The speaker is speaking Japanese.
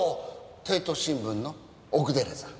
帝都新聞の奥寺さん。